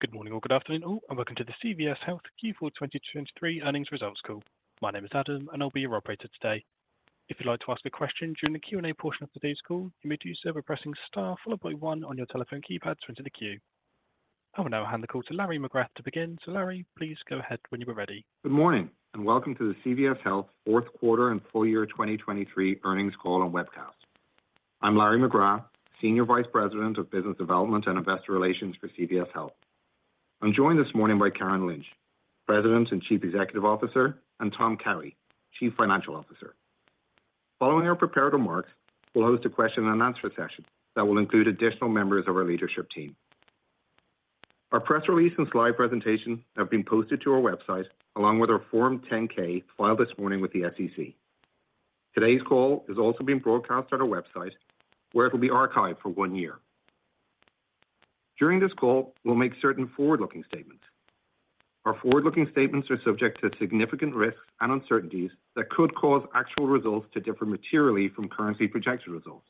Good morning or good afternoon all, and welcome to the CVS Health Q4 2023 Earnings Results Call. My name is Adam, and I'll be your operator today. If you'd like to ask a question during the Q&A portion of today's call, you may do so by pressing star followed by one on your telephone keypad to enter the queue. I will now hand the call to Larry McGrath to begin. So Larry, please go ahead when you are ready. Good morning, and welcome to the CVS Health fourth quarter and full year 2023 earnings call and webcast. I'm Larry McGrath, Senior Vice President of Business Development and Investor Relations for CVS Health. I'm joined this morning by Karen Lynch, President and Chief Executive Officer, and Tom Cowhey, Chief Financial Officer. Following our prepared remarks, we'll host a question and answer session that will include additional members of our leadership team. Our press release and slide presentation have been posted to our website, along with our Form 10-K filed this morning with the SEC. Today's call is also being broadcast on our website, where it will be archived for 1 year. During this call, we'll make certain forward-looking statements. Our forward-looking statements are subject to significant risks and uncertainties that could cause actual results to differ materially from currently projected results.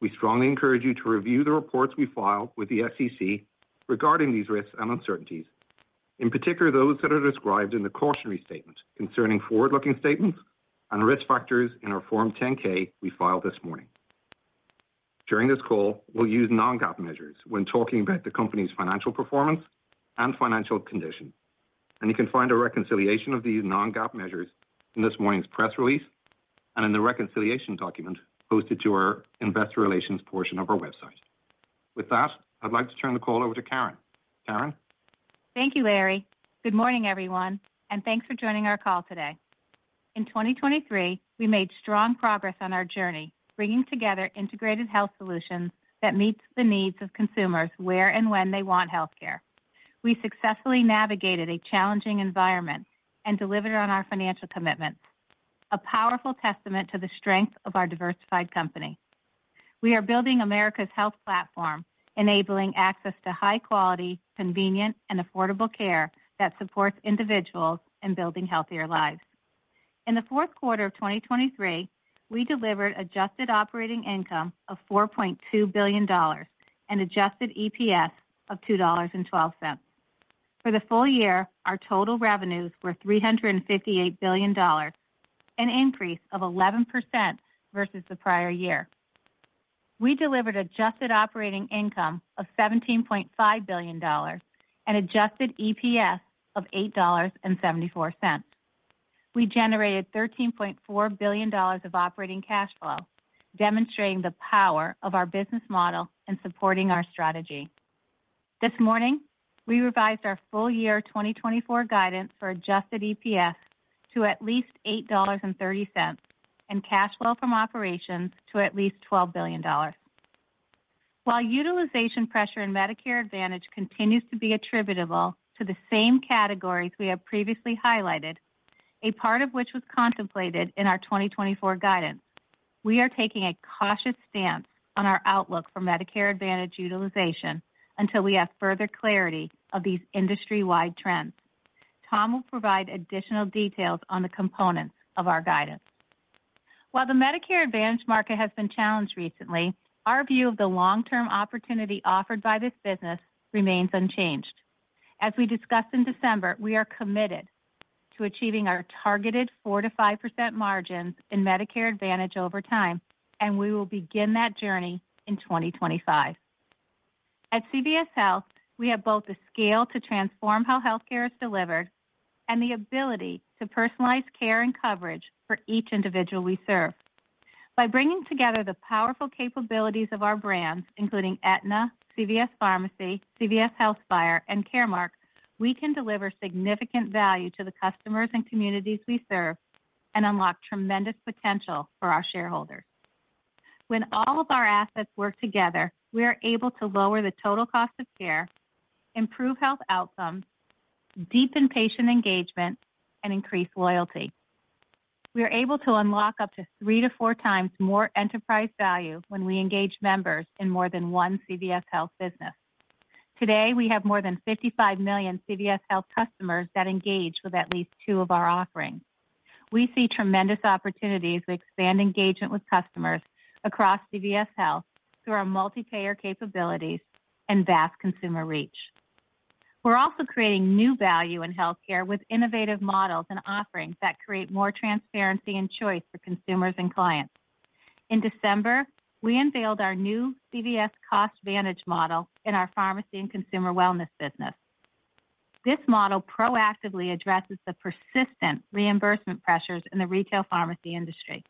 We strongly encourage you to review the reports we file with the SEC regarding these risks and uncertainties, in particular, those that are described in the cautionary statement concerning forward-looking statements and risk factors in our Form 10-K we filed this morning. During this call, we'll use non-GAAP measures when talking about the company's financial performance and financial condition. You can find a reconciliation of these non-GAAP measures in this morning's press release and in the reconciliation document posted to our investor relations portion of our website. With that, I'd like to turn the call over to Karen. Karen? Thank you, Larry. Good morning, everyone, and thanks for joining our call today. In 2023, we made strong progress on our journey, bringing together integrated health solutions that meets the needs of consumers where and when they want health care. We successfully navigated a challenging environment and delivered on our financial commitments, a powerful testament to the strength of our diversified company. We are building America's health platform, enabling access to high quality, convenient, and affordable care that supports individuals in building healthier lives. In the fourth quarter of 2023, we delivered adjusted operating income of $4.2 billion and adjusted EPS of $2.12. For the full year, our total revenues were $358 billion, an increase of 11% versus the prior year. We delivered adjusted operating income of $17.5 billion and adjusted EPS of $8.74. We generated $13.4 billion of operating cash flow, demonstrating the power of our business model in supporting our strategy. This morning, we revised our full year 2024 guidance for adjusted EPS to at least $8.30, and cash flow from operations to at least $12 billion. While utilization pressure in Medicare Advantage continues to be attributable to the same categories we have previously highlighted, a part of which was contemplated in our 2024 guidance, we are taking a cautious stance on our outlook for Medicare Advantage utilization until we have further clarity of these industry-wide trends. Tom will provide additional details on the components of our guidance. While the Medicare Advantage market has been challenged recently, our view of the long-term opportunity offered by this business remains unchanged. As we discussed in December, we are committed to achieving our targeted 4%-5% margins in Medicare Advantage over time, and we will begin that journey in 2025. At CVS Health, we have both the scale to transform how healthcare is delivered and the ability to personalize care and coverage for each individual we serve. By bringing together the powerful capabilities of our brands, including Aetna, CVS Pharmacy, CVS Health Care, and Caremark, we can deliver significant value to the customers and communities we serve and unlock tremendous potential for our shareholders. When all of our assets work together, we are able to lower the total cost of care, improve health outcomes, deepen patient engagement, and increase loyalty. We are able to unlock up to 3x to 4x more enterprise value when we engage members in more than one CVS Health business. Today, we have more than 55 million CVS Health customers that engage with at least two of our offerings. We see tremendous opportunities to expand engagement with customers across CVS Health through our multi-payer capabilities and vast consumer reach. We're also creating new value in healthcare with innovative models and offerings that create more transparency and choice for consumers and clients. In December, we unveiled our new CVS CostVantage model in our pharmacy and consumer wellness business. This model proactively addresses the persistent reimbursement pressures in the retail pharmacy industry.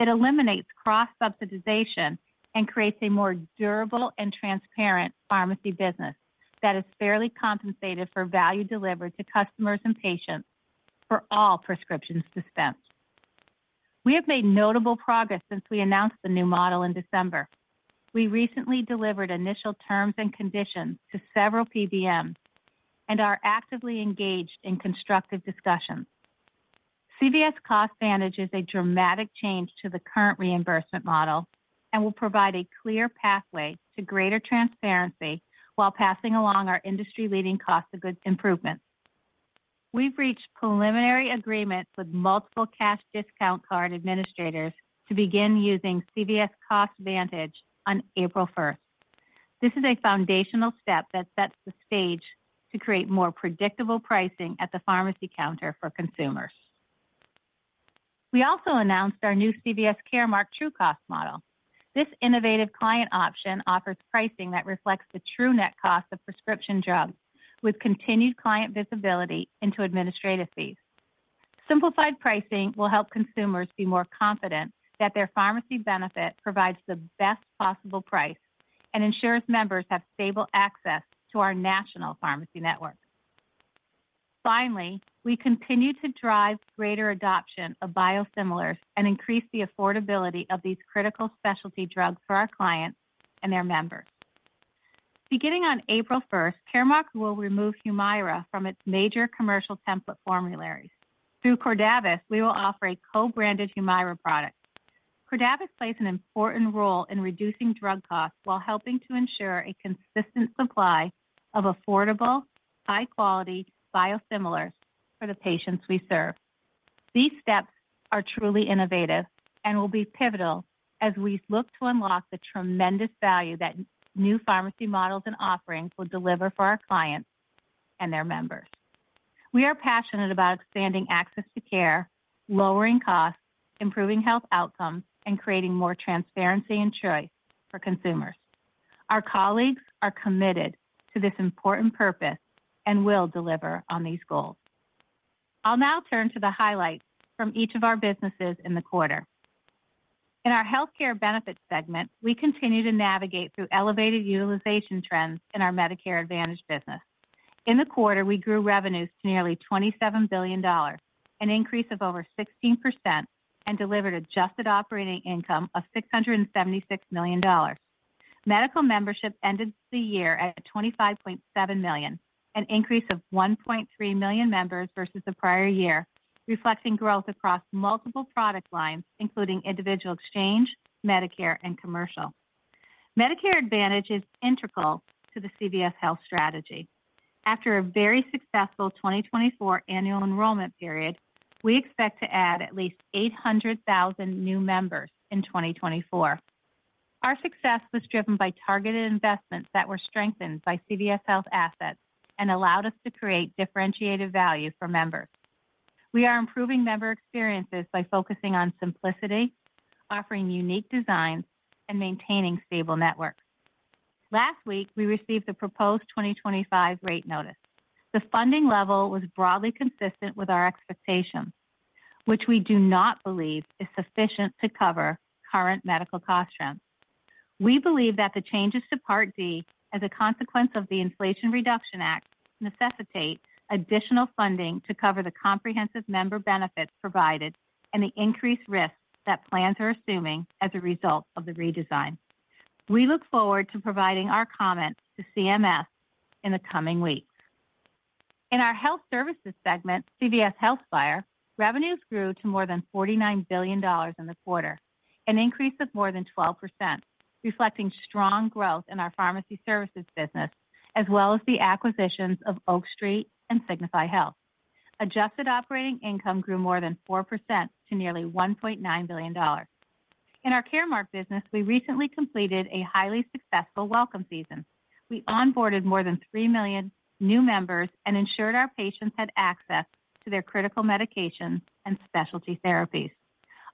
It eliminates cross-subsidization and creates a more durable and transparent pharmacy business that is fairly compensated for value delivered to customers and patients for all prescriptions dispensed. We have made notable progress since we announced the new model in December. We recently delivered initial terms and conditions to several PBMs and are actively engaged in constructive discussions. CVS CostVantage is a dramatic change to the current reimbursement model and will provide a clear pathway to greater transparency while passing along our industry-leading cost of goods improvements. We've reached preliminary agreements with multiple cash discount card administrators to begin using CVS CostVantage on April first. This is a foundational step that sets the stage to create more predictable pricing at the pharmacy counter for consumers. We also announced our new CVS Caremark TrueCost model. This innovative client option offers pricing that reflects the true net cost of prescription drugs, with continued client visibility into administrative fees. Simplified pricing will help consumers be more confident that their pharmacy benefit provides the best possible price and ensures members have stable access to our national pharmacy network. Finally, we continue to drive greater adoption of biosimilars and increase the affordability of these critical specialty drugs for our clients and their members. Beginning on April first, Caremark will remove Humira from its major commercial template formularies. Through Cordavis, we will offer a co-branded Humira product. Cordavis plays an important role in reducing drug costs while helping to ensure a consistent supply of affordable, high-quality biosimilars for the patients we serve. These steps are truly innovative and will be pivotal as we look to unlock the tremendous value that new pharmacy models and offerings will deliver for our clients and their members. We are passionate about expanding access to care, lowering costs, improving health outcomes, and creating more transparency and choice for consumers. Our colleagues are committed to this important purpose and will deliver on these goals. I'll now turn to the highlights from each of our businesses in the quarter. In our Health Care Benefit segment, we continue to navigate through elevated utilization trends in our Medicare Advantage business. In the quarter, we grew revenues to nearly $27 billion, an increase of over 16%, and delivered adjusted operating income of $676 million. Medical membership ended the year at 25.7 million, an increase of 1.3 million members versus the prior year, reflecting growth across multiple product lines, including individual exchange, Medicare, and commercial. Medicare Advantage is integral to the CVS Health strategy. After a very successful 2024 annual enrollment period, we expect to add at least 800,000 new members in 2024. Our success was driven by targeted investments that were strengthened by CVS Health assets and allowed us to create differentiated value for members. We are improving member experiences by focusing on simplicity, offering unique designs, and maintaining stable networks. Last week, we received the proposed 2025 rate notice. The funding level was broadly consistent with our expectations, which we do not believe is sufficient to cover current medical cost trends. We believe that the changes to Part D, as a consequence of the Inflation Reduction Act, necessitate additional funding to cover the comprehensive member benefits provided and the increased risks that plans are assuming as a result of the redesign. We look forward to providing our comments to CMS in the coming weeks. In our Health Services segment, revenues grew to more than $49 billion in the quarter, an increase of more than 12%, reflecting strong growth in our pharmacy services business, as well as the acquisitions of Oak Street and Signify Health. Adjusted operating income grew more than 4% to nearly $1.9 billion. In our Caremark business, we recently completed a highly successful welcome season. We onboarded more than 3 million new members and ensured our patients had access to their critical medications and specialty therapies.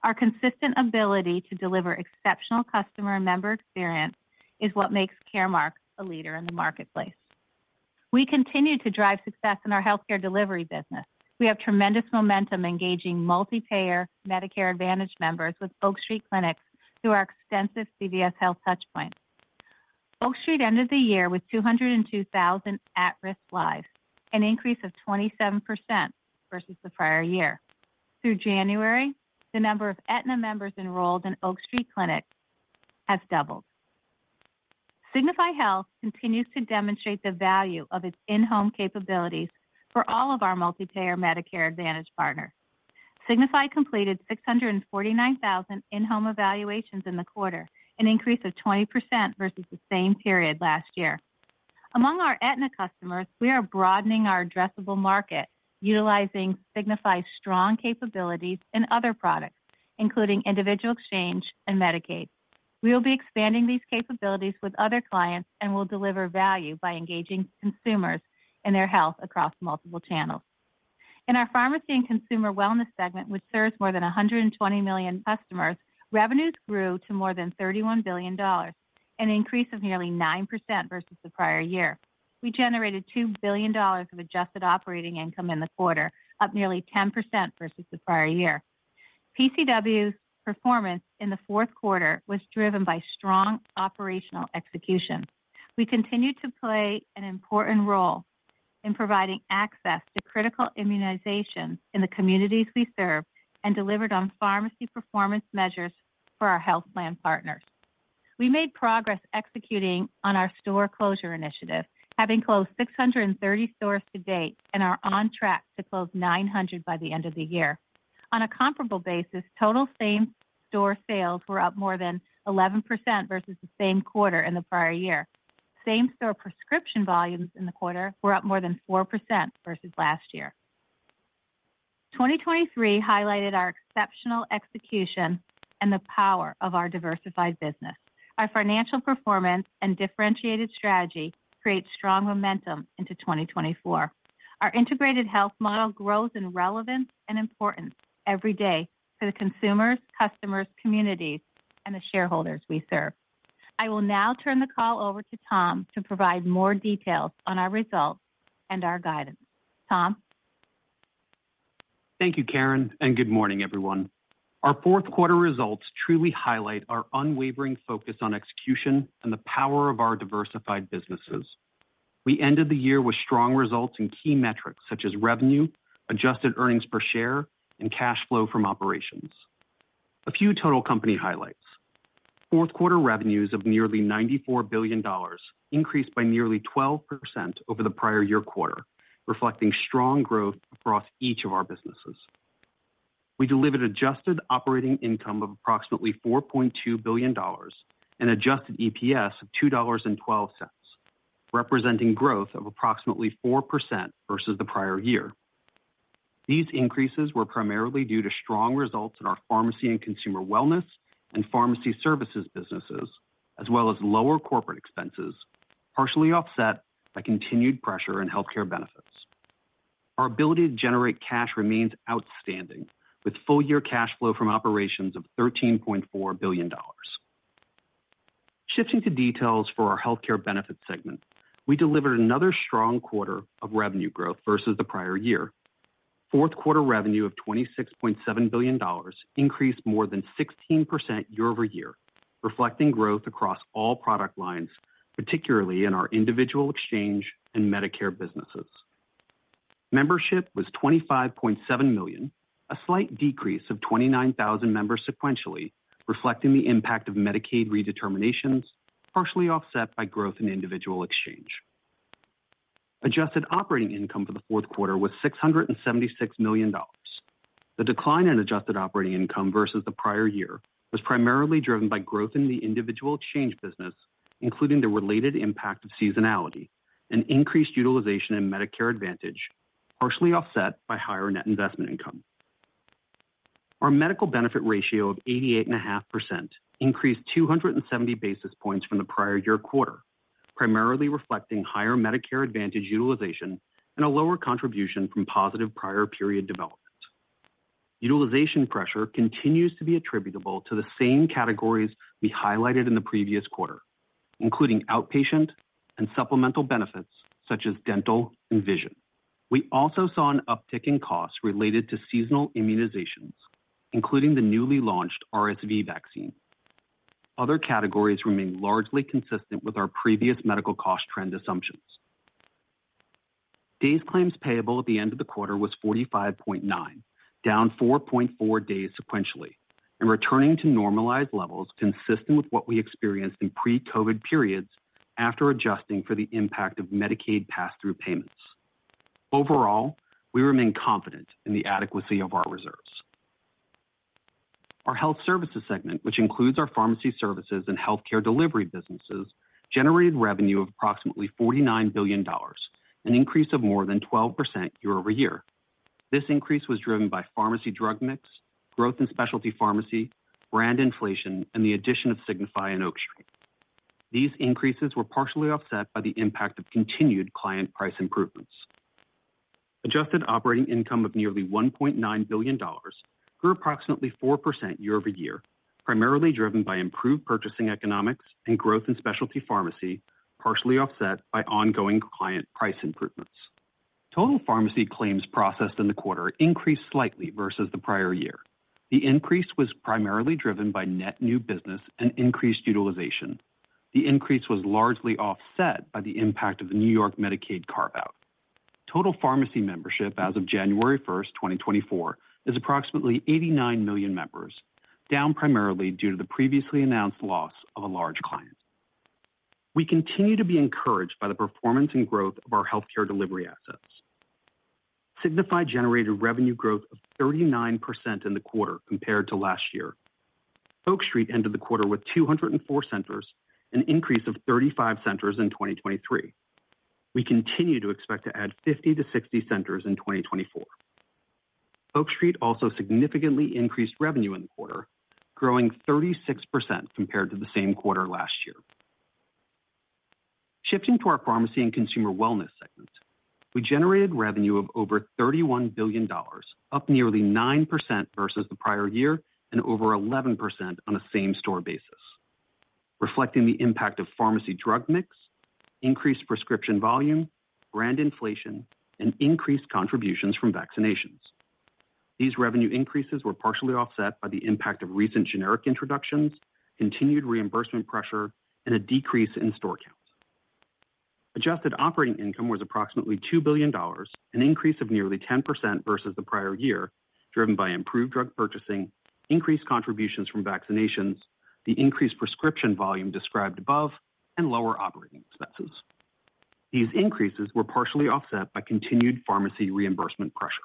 Our consistent ability to deliver exceptional customer and member experience is what makes Caremark a leader in the marketplace. We continue to drive success in our healthcare delivery business. We have tremendous momentum engaging multi-payer Medicare Advantage members with Oak Street clinics through our extensive CVS Health touchpoints. Oak Street ended the year with 202,000 at-risk lives, an increase of 27% versus the prior year. Through January, the number of Aetna members enrolled in Oak Street clinics has doubled. Signify Health continues to demonstrate the value of its in-home capabilities for all of our multi-payer Medicare Advantage partners. Signify completed 649,000 in-home evaluations in the quarter, an increase of 20% versus the same period last year. Among our Aetna customers, we are broadening our addressable market, utilizing Signify's strong capabilities in other products, including individual exchange and Medicaid. We will be expanding these capabilities with other clients and will deliver value by engaging consumers in their health across multiple channels. In our Pharmacy and Consumer Wellness segment, which serves more than 120 million customers, revenues grew to more than $31 billion, an increase of nearly 9% versus the prior year. We generated $2 billion of adjusted operating income in the quarter, up nearly 10% versus the prior year. PCW's performance in the fourth quarter was driven by strong operational execution. We continued to play an important role in providing access to critical immunizations in the communities we serve and delivered on pharmacy performance measures for our health plan partners. We made progress executing on our store closure initiative, having closed 630 stores to date, and are on track to close 900 by the end of the year. On a comparable basis, total same-store sales were up more than 11% versus the same quarter in the prior year.... Same-store prescription volumes in the quarter were up more than 4% versus last year. 2023 highlighted our exceptional execution and the power of our diversified business. Our financial performance and differentiated strategy create strong momentum into 2024. Our integrated health model grows in relevance and importance every day to the consumers, customers, communities, and the shareholders we serve. I will now turn the call over to Tom to provide more details on our results and our guidance. Tom? Thank you, Karen, and good morning, everyone. Our fourth quarter results truly highlight our unwavering focus on execution and the power of our diversified businesses. We ended the year with strong results in key metrics such as revenue, adjusted earnings per share, and cash flow from operations. A few total company highlights. Fourth quarter revenues of nearly $94 billion increased by nearly 12% over the prior year quarter, reflecting strong growth across each of our businesses. We delivered adjusted operating income of approximately $4.2 billion and adjusted EPS of $2.12, representing growth of approximately 4% versus the prior year. These increases were primarily due to strong results in our pharmacy and consumer wellness and pharmacy services businesses, as well as lower corporate expenses, partially offset by continued pressure in healthcare benefits. Our ability to generate cash remains outstanding, with full-year cash flow from operations of $13.4 billion. Shifting to details for our healthcare benefits segment, we delivered another strong quarter of revenue growth versus the prior year. Fourth quarter revenue of $26.7 billion increased more than 16% year-over-year, reflecting growth across all product lines, particularly in our individual exchange and Medicare businesses. Membership was 25.7 million, a slight decrease of 29,000 members sequentially, reflecting the impact of Medicaid redeterminations, partially offset by growth in individual exchange. Adjusted operating income for the fourth quarter was $676 million. The decline in adjusted operating income versus the prior year was primarily driven by growth in the individual exchange business, including the related impact of seasonality and increased utilization in Medicare Advantage, partially offset by higher net investment income. Our medical benefit ratio of 88.5% increased 270 basis points from the prior year quarter, primarily reflecting higher Medicare Advantage utilization and a lower contribution from positive prior period development. Utilization pressure continues to be attributable to the same categories we highlighted in the previous quarter, including outpatient and supplemental benefits such as dental and vision. We also saw an uptick in costs related to seasonal immunizations, including the newly launched RSV vaccine. Other categories remain largely consistent with our previous medical cost trend assumptions. Days claims payable at the end of the quarter was 45.9, down 4.4 days sequentially, and returning to normalized levels consistent with what we experienced in pre-COVID periods after adjusting for the impact of Medicaid pass-through payments. Overall, we remain confident in the adequacy of our reserves. Our health services segment, which includes our pharmacy services and healthcare delivery businesses, generated revenue of approximately $49 billion, an increase of more than 12% year-over-year. This increase was driven by pharmacy drug mix, growth in specialty pharmacy, brand inflation, and the addition of Signify and Oak Street. These increases were partially offset by the impact of continued client price improvements. Adjusted operating income of nearly $1.9 billion grew approximately 4% year-over-year, primarily driven by improved purchasing economics and growth in specialty pharmacy, partially offset by ongoing client price improvements. Total pharmacy claims processed in the quarter increased slightly versus the prior year. The increase was primarily driven by net new business and increased utilization. The increase was largely offset by the impact of the New York Medicaid carve-out. Total pharmacy membership as of January 1st, 2024, is approximately 89 million members, down primarily due to the previously announced loss of a large client. We continue to be encouraged by the performance and growth of our healthcare delivery assets. Signify generated revenue growth of 39% in the quarter compared to last year. Oak Street ended the quarter with 204 centers, an increase of 35 centers in 2023. We continue to expect to add 50-60 centers in 2024. Oak Street also significantly increased revenue in the quarter, growing 36% compared to the same quarter last year. Shifting to our pharmacy and consumer wellness segment, we generated revenue of over $31 billion, up nearly 9% versus the prior year and over 11% on a same-store basis, reflecting the impact of pharmacy drug mix, increased prescription volume, brand inflation, and increased contributions from vaccinations. These revenue increases were partially offset by the impact of recent generic introductions, continued reimbursement pressure, and a decrease in store counts. Adjusted operating income was approximately $2 billion, an increase of nearly 10% versus the prior year, driven by improved drug purchasing, increased contributions from vaccinations, the increased prescription volume described above, and lower operating expenses. These increases were partially offset by continued pharmacy reimbursement pressure.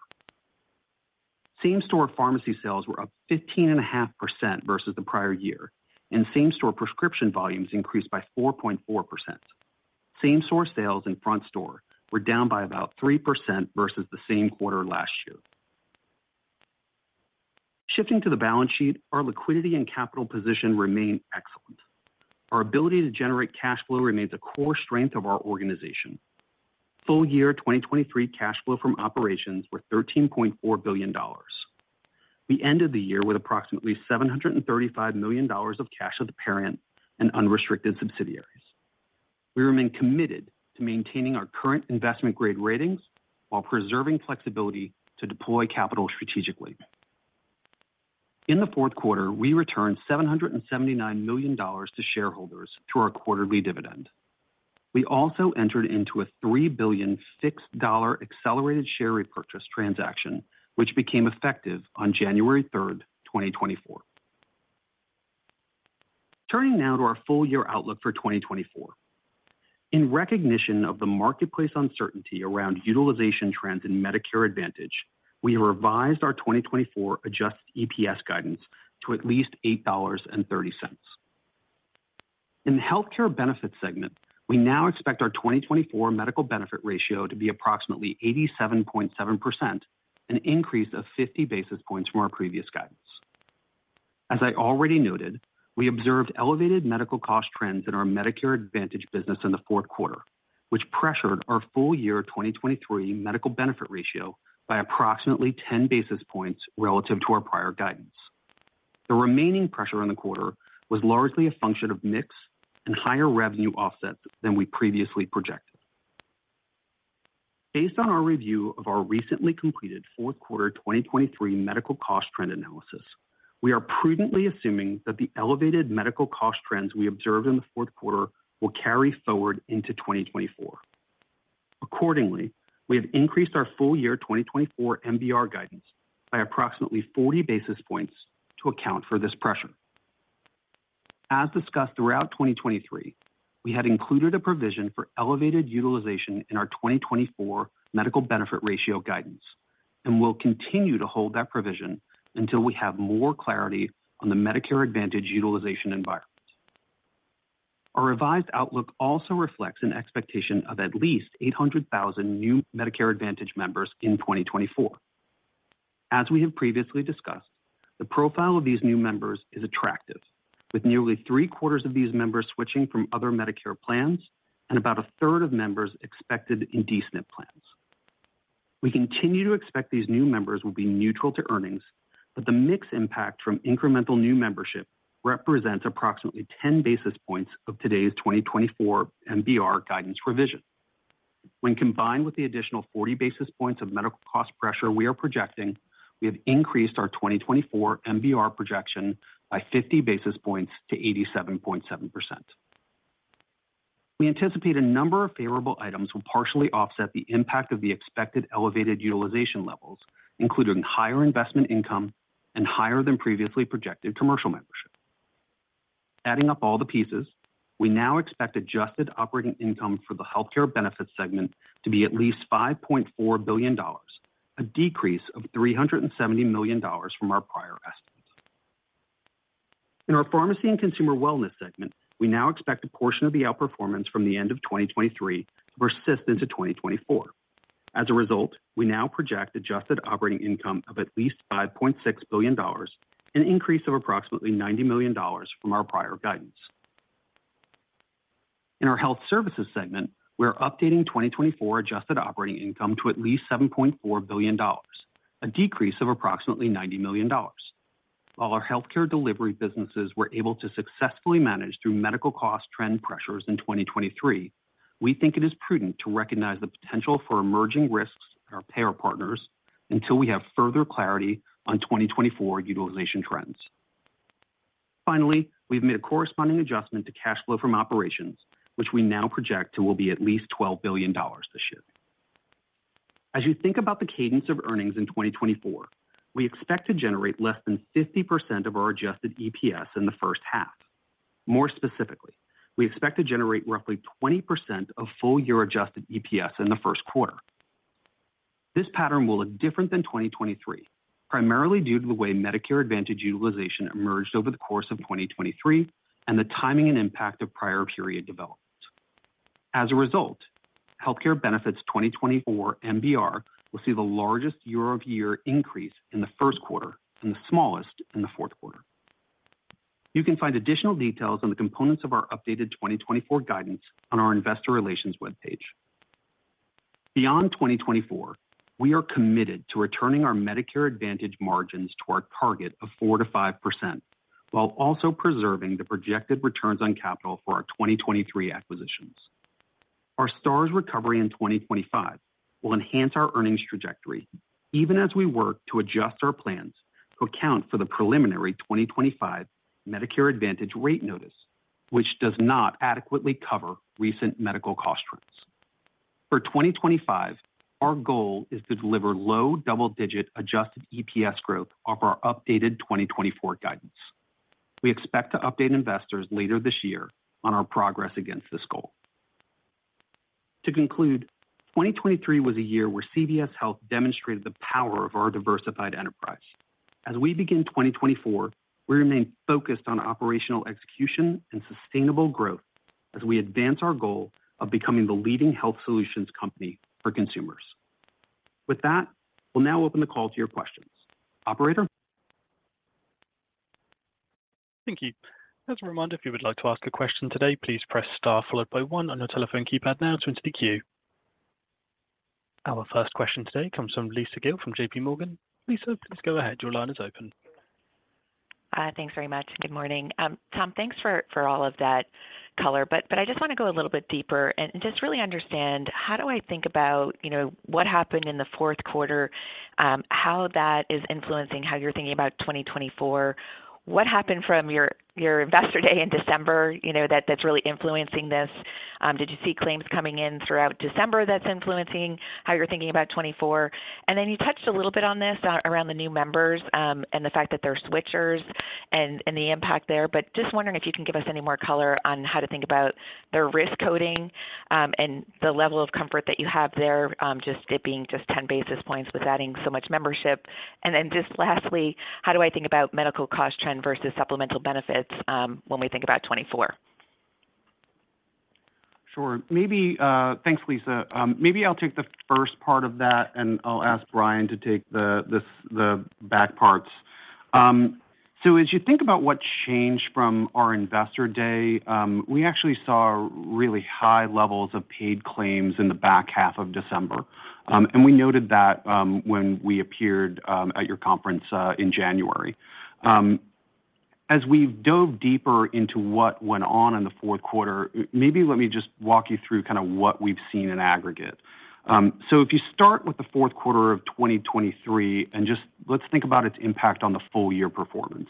Same-store pharmacy sales were up 15.5% versus the prior year, and same-store prescription volumes increased by 4.4%. Same-store sales in front store were down by about 3% versus the same quarter last year. Shifting to the balance sheet, our liquidity and capital position remain excellent. Our ability to generate cash flow remains a core strength of our organization. Full year 2023 cash flow from operations were $13.4 billion. We ended the year with approximately $735 million of cash with the parent and unrestricted subsidiaries. We remain committed to maintaining our current investment-grade ratings while preserving flexibility to deploy capital strategically. In the fourth quarter, we returned $779 million to shareholders through our quarterly dividend. We also entered into a $3.6 billion accelerated share repurchase transaction, which became effective on January 3, 2024. Turning now to our full year outlook for 2024. In recognition of the marketplace uncertainty around utilization trends in Medicare Advantage, we revised our 2024 adjusted EPS guidance to at least $8.30. In the healthcare benefit segment, we now expect our 2024 medical benefit ratio to be approximately 87.7%, an increase of 50 basis points from our previous guidance. As I already noted, we observed elevated medical cost trends in our Medicare Advantage business in the fourth quarter, which pressured our full year 2023 medical benefit ratio by approximately 10 basis points relative to our prior guidance. The remaining pressure in the quarter was largely a function of mix and higher revenue offsets than we previously projected. Based on our review of our recently completed fourth quarter 2023 medical cost trend analysis, we are prudently assuming that the elevated medical cost trends we observed in the fourth quarter will carry forward into 2024. Accordingly, we have increased our full year 2024 MBR guidance by approximately 40 basis points to account for this pressure. As discussed throughout 2023, we had included a provision for elevated utilization in our 2024 medical benefit ratio guidance and will continue to hold that provision until we have more clarity on the Medicare Advantage utilization environment. Our revised outlook also reflects an expectation of at least 800,000 new Medicare Advantage members in 2024. As we have previously discussed, the profile of these new members is attractive, with nearly three-quarters of these members switching from other Medicare plans and about a third of members expected in D-SNP plans. We continue to expect these new members will be neutral to earnings, but the mix impact from incremental new membership represents approximately 10 basis points of today's 2024 MBR guidance revision. When combined with the additional 40 basis points of medical cost pressure we are projecting, we have increased our 2024 MBR projection by 50 basis points to 87.7%. We anticipate a number of favorable items will partially offset the impact of the expected elevated utilization levels, including higher investment income and higher than previously projected commercial membership. Adding up all the pieces, we now expect Adjusted Operating Income for the Health Care Benefits segment to be at least $5.4 billion, a decrease of $370 million from our prior estimates. In our Pharmacy and Consumer Wellness segment, we now expect a portion of the outperformance from the end of 2023 to persist into 2024. As a result, we now project Adjusted Operating Income of at least $5.6 billion, an increase of approximately $90 million from our prior guidance. In our Health Services segment, we are updating 2024 Adjusted Operating Income to at least $7.4 billion, a decrease of approximately $90 million. While our healthcare delivery businesses were able to successfully manage through medical cost trend pressures in 2023, we think it is prudent to recognize the potential for emerging risks in our payer partners until we have further clarity on 2024 utilization trends. Finally, we've made a corresponding adjustment to cash flow from operations, which we now project to will be at least $12 billion this year. As you think about the cadence of earnings in 2024, we expect to generate less than 50% of our adjusted EPS in the first half. More specifically, we expect to generate roughly 20% of full-year adjusted EPS in the first quarter. This pattern will look different than 2023, primarily due to the way Medicare Advantage utilization emerged over the course of 2023 and the timing and impact of prior period developments. As a result, Health Care Benefits 2024 MBR will see the largest year-over-year increase in the first quarter and the smallest in the fourth quarter. You can find additional details on the components of our updated 2024 guidance on our investor relations webpage. Beyond 2024, we are committed to returning our Medicare Advantage margins to our target of 4%-5%, while also preserving the projected returns on capital for our 2023 acquisitions. Our Stars recovery in 2025 will enhance our earnings trajectory, even as we work to adjust our plans to account for the preliminary 2025 Medicare Advantage rate notice, which does not adequately cover recent medical cost trends. For 2025, our goal is to deliver low double-digit adjusted EPS growth off our updated 2024 guidance. We expect to update investors later this year on our progress against this goal.... To conclude, 2023 was a year where CVS Health demonstrated the power of our diversified enterprise. As we begin 2024, we remain focused on operational execution and sustainable growth as we advance our goal of becoming the leading health solutions company for consumers. With that, we'll now open the call to your questions. Operator? Thank you. As a reminder, if you would like to ask a question today, please press star followed by one on your telephone keypad now to enter the queue. Our first question today comes from Lisa Gill from J.P. Morgan. Lisa, please go ahead. Your line is open. Thanks very much. Good morning. Tom, thanks for all of that color, but I just want to go a little bit deeper and just really understand, how do I think about, you know, what happened in the fourth quarter, how that is influencing how you're thinking about 2024? What happened from your Investor Day in December, you know, that's really influencing this? Did you see claims coming in throughout December that's influencing how you're thinking about 2024? And then you touched a little bit on this, around the new members, and the fact that they're switchers and the impact there. Just wondering if you can give us any more color on how to think about their risk coding, and the level of comfort that you have there, just it being just 10 basis points with adding so much membership. Then just lastly, how do I think about medical cost trend versus supplemental benefits, when we think about 2024? Sure. Maybe... Thanks, Lisa. Maybe I'll take the first part of that, and I'll ask Brian to take the, this, the back parts. So as you think about what changed from our Investor Day, we actually saw really high levels of paid claims in the back half of December. And we noted that, when we appeared, at your conference, in January. As we've dove deeper into what went on in the fourth quarter, maybe let me just walk you through kind of what we've seen in aggregate. So if you start with the fourth quarter of 2023, and just let's think about its impact on the full year performance.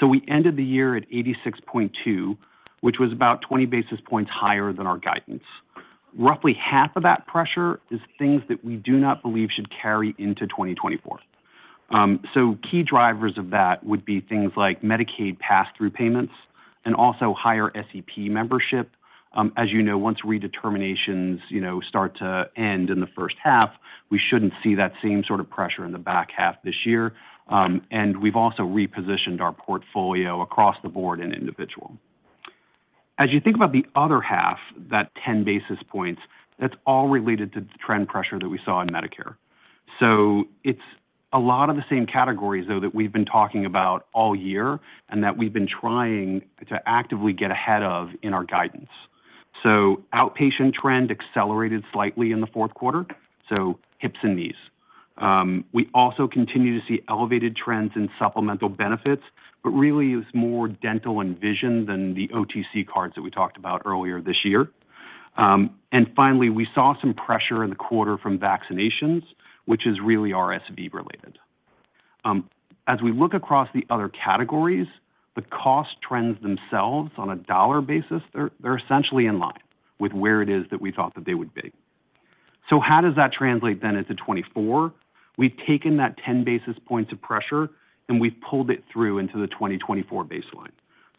So we ended the year at 86.2, which was about 20 basis points higher than our guidance. Roughly half of that pressure is things that we do not believe should carry into 2024. So key drivers of that would be things like Medicaid passthrough payments and also higher SEP membership. As you know, once redeterminations, you know, start to end in the first half, we shouldn't see that same sort of pressure in the back half this year. We've also repositioned our portfolio across the board in individual. As you think about the other half, that 10 basis points, that's all related to the trend pressure that we saw in Medicare. So it's a lot of the same categories, though, that we've been talking about all year and that we've been trying to actively get ahead of in our guidance. So outpatient trend accelerated slightly in the fourth quarter, so hips and knees. We also continue to see elevated trends in supplemental benefits, but really it's more dental and vision than the OTC cards that we talked about earlier this year. And finally, we saw some pressure in the quarter from vaccinations, which is really RSV related. As we look across the other categories, the cost trends themselves on a dollar basis, they're essentially in line with where it is that we thought that they would be. So how does that translate then into 2024? We've taken that 10 basis points of pressure, and we've pulled it through into the 2024 baseline.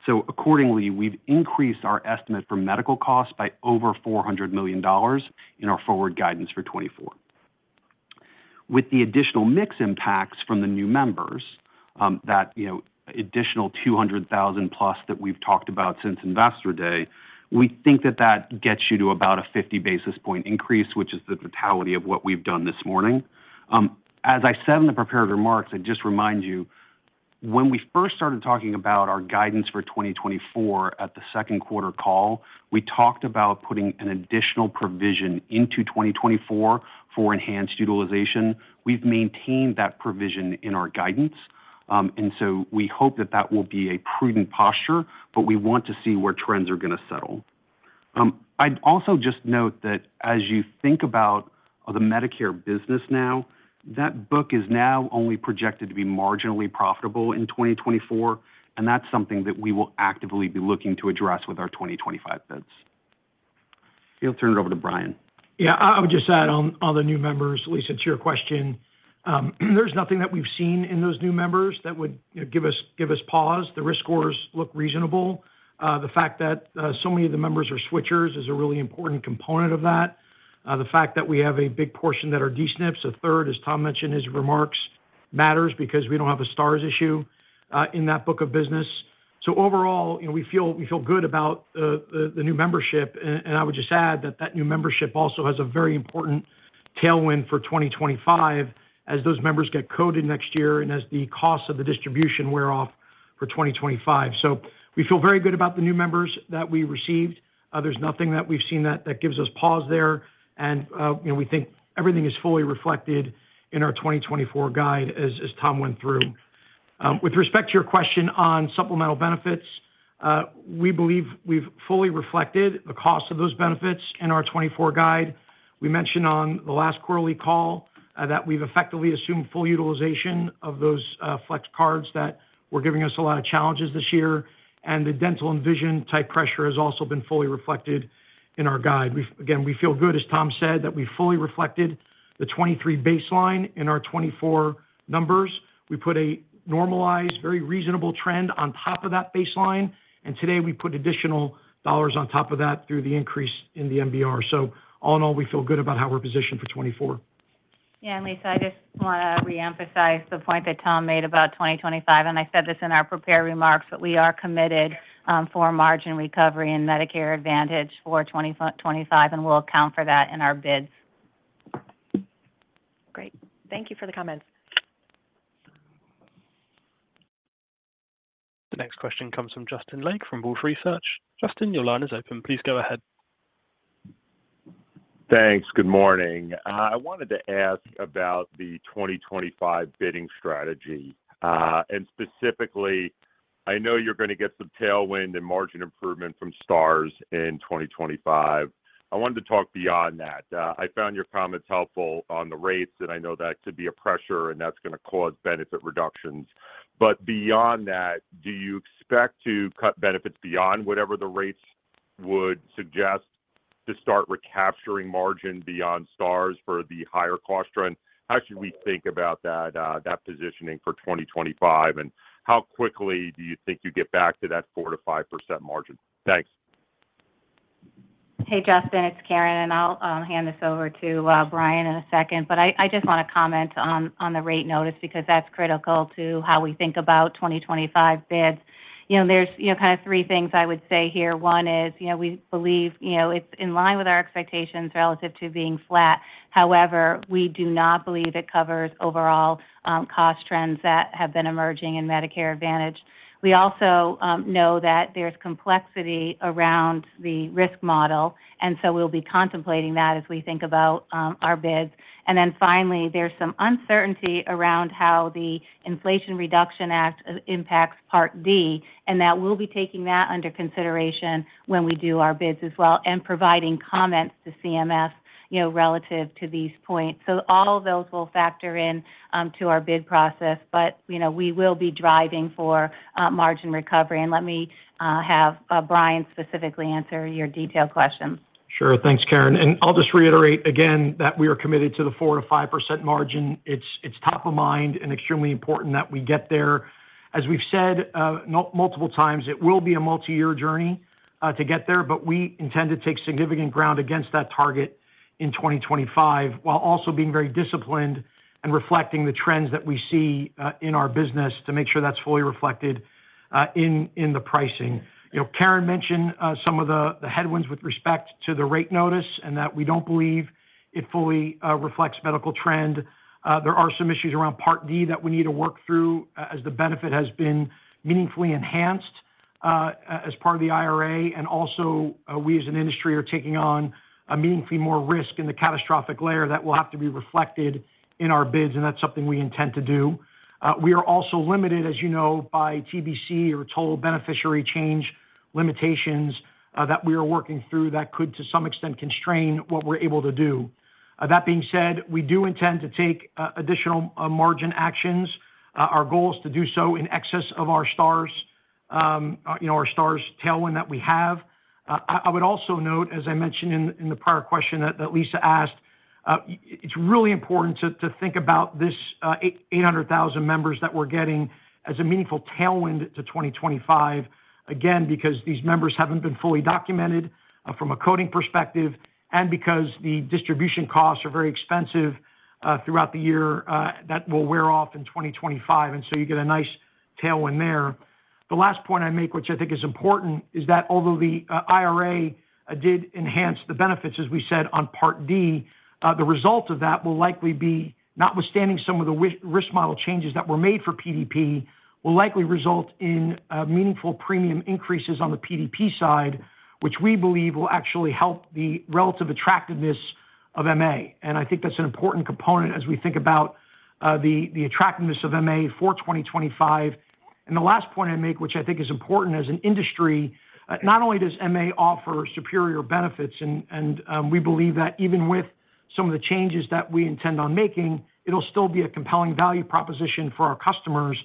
So accordingly, we've increased our estimate for medical costs by over $400 million in our forward guidance for 2024. With the additional mix impacts from the new members, that, you know, additional 200,000 plus that we've talked about since Investor Day, we think that that gets you to about a 50 basis point increase, which is the totality of what we've done this morning. As I said in the prepared remarks, and just remind you, when we first started talking about our guidance for 2024 at the second quarter call, we talked about putting an additional provision into 2024 for enhanced utilization. We've maintained that provision in our guidance, and so we hope that that will be a prudent posture, but we want to see where trends are going to settle. I'd also just note that as you think about the Medicare business now, that book is now only projected to be marginally profitable in 2024, and that's something that we will actively be looking to address with our 2025 bids. I'll turn it over to Brian. Yeah, I would just add on the new members, Lisa, to your question. There's nothing that we've seen in those new members that would, you know, give us, give us pause. The risk scores look reasonable. The fact that so many of the members are switchers is a really important component of that. The fact that we have a big portion that are D-SNPs, a third, as Tom mentioned in his remarks, matters because we don't have a Stars issue in that book of business. So overall, you know, we feel, we feel good about the new membership, and I would just add that that new membership also has a very important tailwind for 2025 as those members get coded next year and as the cost of the distribution wear off for 2025. So we feel very good about the new members that we received. There's nothing that we've seen that gives us pause there, and you know, we think everything is fully reflected in our 2024 guide, as Tom went through. With respect to your question on supplemental benefits, we believe we've fully reflected the cost of those benefits in our 2024 guide. We mentioned on the last quarterly call that we've effectively assumed full utilization of those flex cards that were giving us a lot of challenges this year, and the dental and vision-type pressure has also been fully reflected in our guide. Again, we feel good, as Tom said, that we fully reflected the 2023 baseline in our 2024 numbers. We put a normalized, very reasonable trend on top of that baseline, and today we put additional dollars on top of that through the increase in the MBR. All in all, we feel good about how we're positioned for 2024. Yeah, Lisa, I just want to reemphasize the point that Tom made about 2025, and I said this in our prepared remarks, that we are committed for margin recovery and Medicare Advantage for 2025, and we'll account for that in our bids. Great. Thank you for the comments. The next question comes from Justin Lake, from Wolfe Research. Justin, your line is open. Please go ahead. Thanks. Good morning. I wanted to ask about the 2025 bidding strategy. And specifically, I know you're gonna get some tailwind and margin improvement from Stars in 2025. I wanted to talk beyond that. I found your comments helpful on the rates, and I know that could be a pressure, and that's gonna cause benefit reductions. But beyond that, do you expect to cut benefits beyond whatever the rates would suggest to start recapturing margin beyond Stars for the higher cost trend? How should we think about that, that positioning for 2025, and how quickly do you think you get back to that 4%-5% margin? Thanks. Hey, Justin, it's Karen, and I'll hand this over to Brian in a second. But I just want to comment on the rate notice because that's critical to how we think about 2025 bids. You know, there's you know, kind of three things I would say here. One is, you know, we believe you know, it's in line with our expectations relative to being flat. However, we do not believe it covers overall cost trends that have been emerging in Medicare Advantage. We also know that there's complexity around the risk model, and so we'll be contemplating that as we think about our bids. And then finally, there's some uncertainty around how the Inflation Reduction Act impacts Part D, and that we'll be taking that under consideration when we do our bids as well, and providing comments to CMS, you know, relative to these points. So all of those will factor in to our bid process, but, you know, we will be driving for margin recovery. And let me have Brian specifically answer your detailed questions. Sure. Thanks, Karen. And I'll just reiterate again that we are committed to the 4%-5% margin. It's top of mind and extremely important that we get there. As we've said multiple times, it will be a multi-year journey to get there, but we intend to take significant ground against that target in 2025, while also being very disciplined and reflecting the trends that we see in our business to make sure that's fully reflected in the pricing. You know, Karen mentioned some of the headwinds with respect to the rate notice, and that we don't believe it fully reflects medical trend. There are some issues around Part D that we need to work through as the benefit has been meaningfully enhanced as part of the IRA. And also, we as an industry are taking on a meaningfully more risk in the catastrophic layer that will have to be reflected in our bids, and that's something we intend to do. We are also limited, as you know, by TBC or total beneficiary cost limitations that we are working through that could, to some extent, constrain what we're able to do. That being said, we do intend to take additional margin actions. Our goal is to do so in excess of our Stars, you know, our Stars tailwind that we have. I would also note, as I mentioned in the prior question that Lisa asked, it's really important to think about this 800,000 members that we're getting as a meaningful tailwind to 2025, again, because these members haven't been fully documented from a coding perspective, and because the distribution costs are very expensive throughout the year, that will wear off in 2025, and so you get a nice tailwind there. The last point I make, which I think is important, is that although the IRA did enhance the benefits, as we said on Part D, the result of that will likely be, notwithstanding some of the risk model changes that were made for PDP, will likely result in meaningful premium increases on the PDP side, which we believe will actually help the relative attractiveness of MA. And I think that's an important component as we think about the attractiveness of MA for 2025. And the last point I'd make, which I think is important as an industry, not only does MA offer superior benefits, and we believe that even with some of the changes that we intend on making, it'll still be a compelling value proposition for our customers.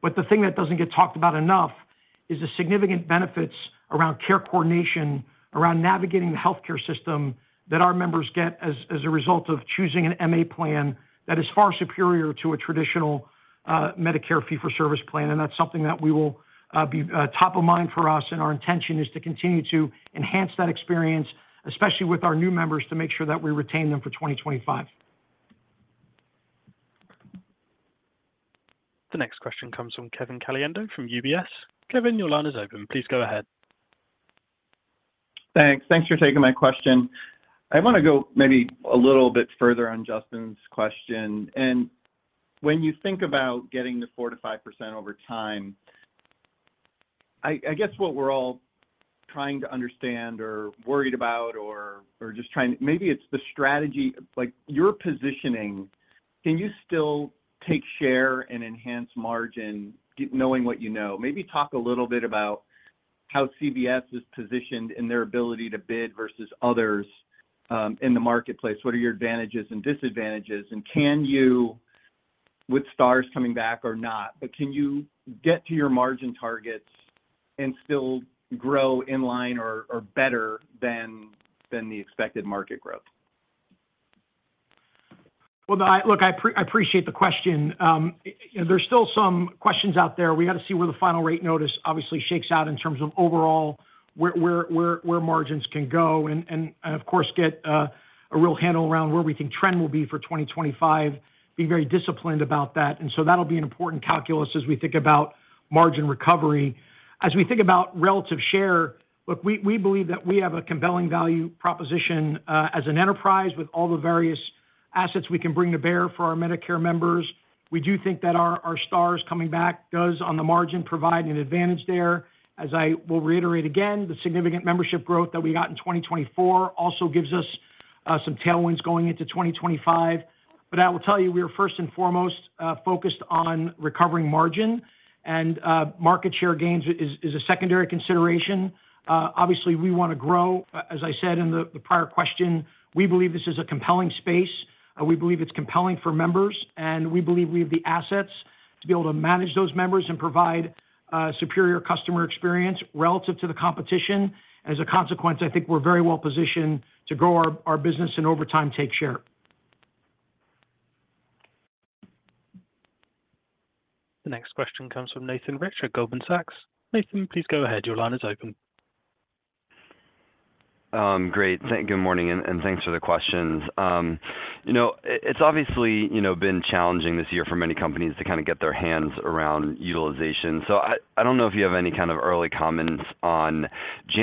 But the thing that doesn't get talked about enough is the significant benefits around care coordination, around navigating the healthcare system that our members get as, as a result of choosing an MA plan that is far superior to a traditional, Medicare fee-for-service plan. And that's something that we will be top of mind for us, and our intention is to continue to enhance that experience, especially with our new members, to make sure that we retain them for 2025. The next question comes from Kevin Caliendo, from UBS. Kevin, your line is open. Please go ahead. Thanks. Thanks for taking my question. I want to go maybe a little bit further on Justin's question. And when you think about getting to 4%-5% over time, I guess what we're all trying to understand or worried about or just trying... Maybe it's the strategy, like, your positioning. Can you still take share and enhance margin, knowing what you know? Maybe talk a little bit about how CVS is positioned in their ability to bid versus others in the marketplace. What are your advantages and disadvantages? And can you, with Stars coming back or not, but can you get to your margin targets and still grow in line or better than the expected market growth? Well, I appreciate the question. There's still some questions out there. We got to see where the final rate notice obviously shakes out in terms of overall where margins can go, and of course, get a real handle around where we think trend will be for 2025, be very disciplined about that. And so that'll be an important calculus as we think about margin recovery. As we think about relative share, look, we believe that we have a compelling value proposition, as an enterprise with all the various assets we can bring to bear for our Medicare members. We do think that our stars coming back does, on the margin, provide an advantage there. As I will reiterate again, the significant membership growth that we got in 2024 also gives us some tailwinds going into 2025. But I will tell you, we are first and foremost focused on recovering margin and market share gains is a secondary consideration. Obviously, we want to grow. As I said in the prior question, we believe this is a compelling space, and we believe it's compelling for members, and we believe we have the assets to be able to manage those members and provide superior customer experience relative to the competition. As a consequence, I think we're very well positioned to grow our business and over time, take share. The next question comes from Nathan Rich at Goldman Sachs. Nathan, please go ahead. Your line is open. Great! Good morning, and thanks for the questions. You know, it's obviously, you know, been challenging this year for many companies to kind of get their hands around utilization. So I don't know if you have any kind of early comments on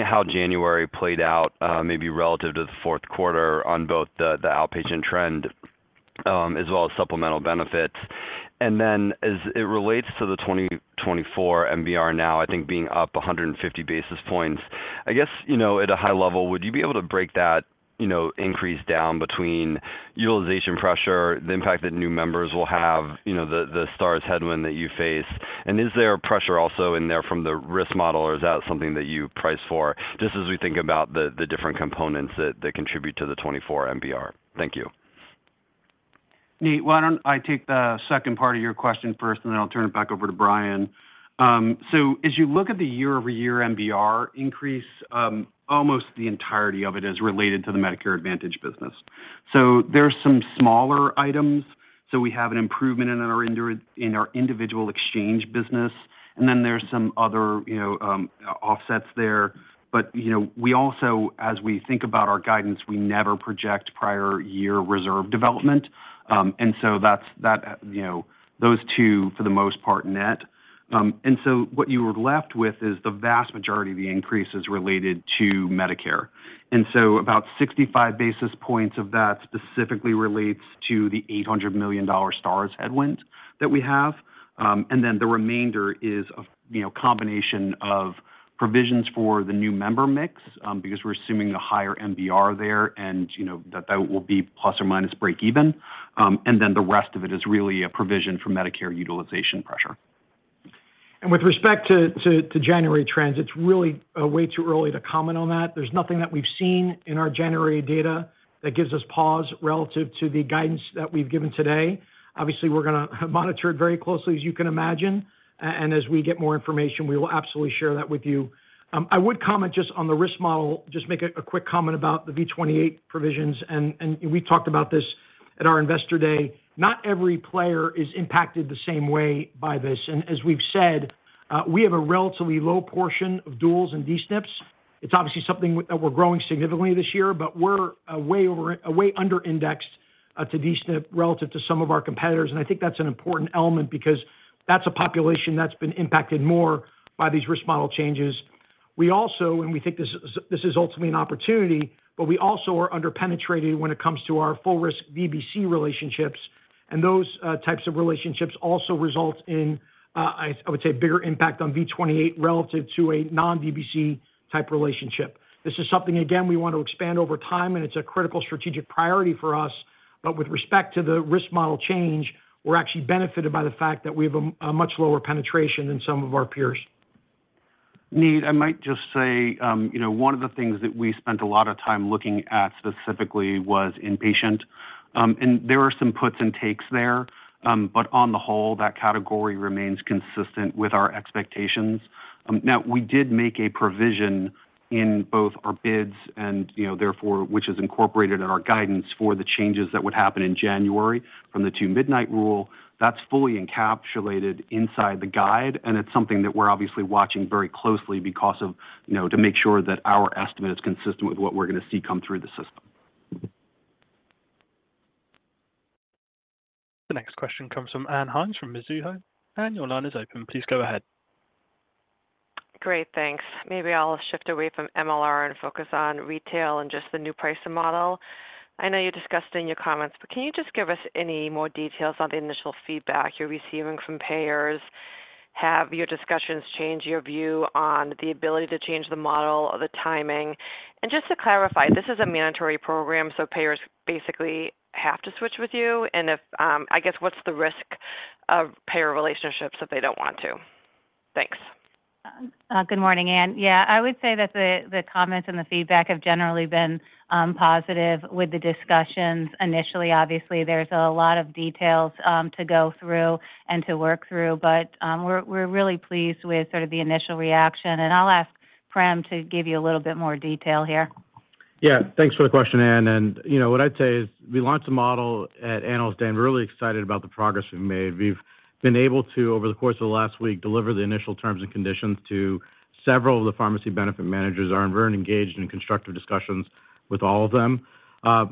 how January played out, maybe relative to the fourth quarter on both the outpatient trend, as well as supplemental benefits. And then as it relates to the 2024 MBR now, I think being up 150 basis points, I guess, you know, at a high level, would you be able to break that, you know, increase down between utilization pressure, the impact that new members will have, you know, the stars headwind that you face? Is there a pressure also in there from the risk model, or is that something that you price for, just as we think about the different components that contribute to the 24 MBR? Thank you. Nate, why don't I take the second part of your question first, and then I'll turn it back over to Brian. So as you look at the year-over-year MBR increase, almost the entirety of it is related to the Medicare Advantage business. So there's some smaller items. So we have an improvement in our individual exchange business, and then there's some other, you know, offsets there. But, you know, we also, as we think about our guidance, we never project prior year reserve development. And so that's, you know, those two, for the most part, net. And so what you were left with is the vast majority of the increase is related to Medicare. And so about 65 basis points of that specifically relates to the $800 million Stars headwind that we have. And then the remainder is of, you know, combination of provisions for the new member mix, because we're assuming a higher MBR there, and, you know, that will be plus or minus break even. And then the rest of it is really a provision for Medicare utilization pressure. With respect to January trends, it's really way too early to comment on that. There's nothing that we've seen in our January data that gives us pause relative to the guidance that we've given today. Obviously, we're gonna monitor it very closely, as you can imagine, and as we get more information, we will absolutely share that with you. I would comment just on the risk model, just make a quick comment about the V28 provisions, and we talked about this at our Investor Day. Not every player is impacted the same way by this. And as we've said, we have a relatively low portion of duals and D-SNPs. It's obviously something that we're growing significantly this year, but we're way under indexed to D-SNPs relative to some of our competitors. I think that's an important element because that's a population that's been impacted more by these risk model changes. We also think this is ultimately an opportunity, but we also are under penetrated when it comes to our full risk D-SNP relationships. And those types of relationships also result in I would say a bigger impact on V28 relative to a non-D-SNP type relationship. This is something, again, we want to expand over time, and it's a critical strategic priority for us. But with respect to the risk model change, we're actually benefited by the fact that we have a much lower penetration than some of our peers. Nate, I might just say, you know, one of the things that we spent a lot of time looking at specifically was inpatient. There were some puts and takes there, but on the whole, that category remains consistent with our expectations. Now, we did make a provision in both our bids and, you know, therefore, which is incorporated in our guidance for the changes that would happen in January from the Two Midnight Rule. That's fully encapsulated inside the guide, and it's something that we're obviously watching very closely because of, you know, to make sure that our estimate is consistent with what we're going to see come through the system. The next question comes from Ann Hynes, from Mizuho. Ann, your line is open. Please go ahead. Great. Thanks. Maybe I'll shift away from MLR and focus on retail and just the new pricing model. I know you discussed in your comments, but can you just give us any more details on the initial feedback you're receiving from payers? Have your discussions changed your view on the ability to change the model or the timing? And just to clarify, this is a mandatory program, so payers basically have to switch with you. And if... I guess, what's the risk of payer relationships if they don't want to? Thanks. Good morning, Ann. Yeah, I would say that the comments and the feedback have generally been positive with the discussions. Initially, obviously, there's a lot of details to go through and to work through, but we're really pleased with sort of the initial reaction. And I'll ask Prem to give you a little bit more detail here. Yeah, thanks for the question, Ann. And you know, what I'd say is, we launched a model at Analyst Day, and we're really excited about the progress we've made. We've been able to, over the course of the last week, deliver the initial terms and conditions to several of the pharmacy benefit managers, and we're engaged in constructive discussions with all of them.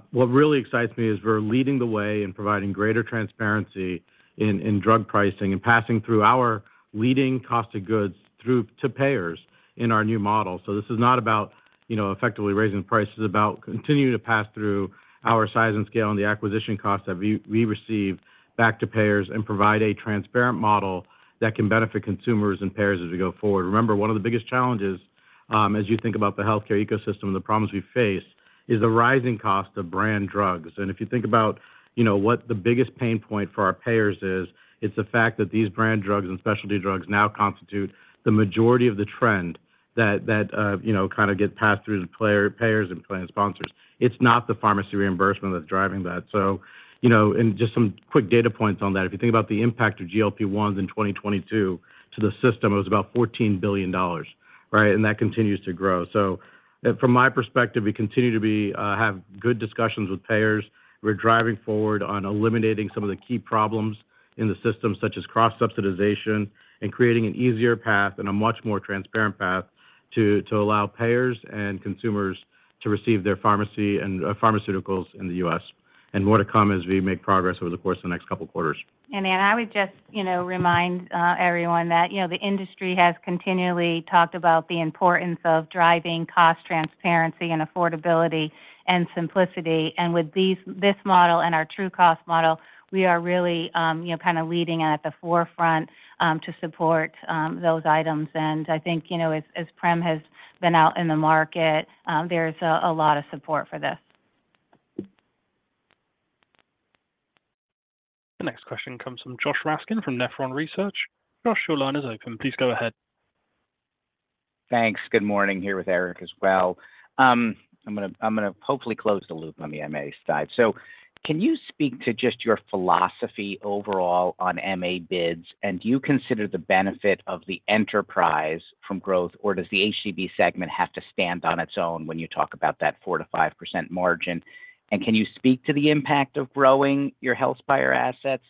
What really excites me is we're leading the way in providing greater transparency in drug pricing and passing through our leading cost of goods through to payers in our new model. So this is not about, you know, effectively raising prices. It's about continuing to pass through our size and scale and the acquisition costs that we receive back to payers and provide a transparent model that can benefit consumers and payers as we go forward. Remember, one of the biggest challenges, as you think about the healthcare ecosystem and the problems we face, is the rising cost of brand drugs. And if you think about, you know, what the biggest pain point for our payers is, it's the fact that these brand drugs and specialty drugs now constitute the majority of the trend that, you know, kinda get passed through to payers and plan sponsors. It's not the pharmacy reimbursement that's driving that. So, you know, and just some quick data points on that. If you think about the impact of GLP-1s in 2022 to the system, it was about $14 billion, right? And that continues to grow. So from my perspective, we continue to have good discussions with payers. We're driving forward on eliminating some of the key problems in the system, such as cross-subsidization, and creating an easier path and a much more transparent path to allow payers and consumers to receive their pharmacy and pharmaceuticals in the U.S., and more to come as we make progress over the course of the next couple of quarters. And then I would just, you know, remind everyone that, you know, the industry has continually talked about the importance of driving cost transparency, and affordability, and simplicity. And with this model and our TrueCost model, we are really, you know, kinda leading at the forefront to support those items. And I think, you know, as Prem has been out in the market, there's a lot of support for this. The next question comes from Josh Raskin from Nephron Research. Josh, your line is open. Please go ahead. Thanks. Good morning, here with Eric as well. I'm gonna hopefully close the loop on the MA side. So can you speak to just your philosophy overall on MA bids? And do you consider the benefit of the enterprise from growth, or does the HCB segment have to stand on its own when you talk about that 4%-5% margin? And can you speak to the impact of growing your Signify assets